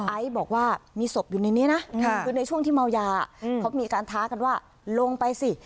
ไอซ์บอกว่ามีศพอยู่ในนี้นะคือในช่วงที่เมายาเขามีการท้ากันว่าลงไปสิ